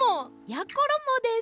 やころもです。